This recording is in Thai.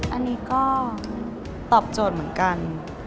อันนี้ก็ตอบโจทย์เหมือนกัน